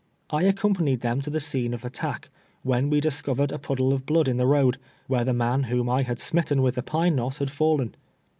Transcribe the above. I accompanied them to the scene of attack, when we discovered a puddle of blood in the road, where the man whom I had smit ten with the pine knot had fallen.